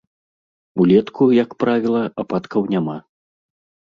Улетку, як правіла, ападкаў няма.